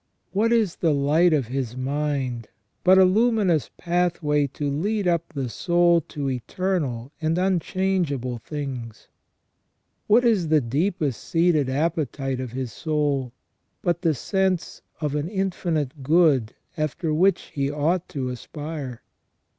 What is the light of his mind but a luminous pathway to lead up the soul to eternal and unchangeable things ? What is the deepest seated appetite of his soul, but the sense of an infinite good after which he ought to aspire